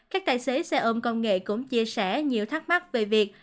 các tài xế xe ôm công nghệ cũng chia sẻ nhiều thắc mắc về việc